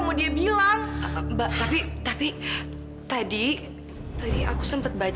mau bunuh diri mbak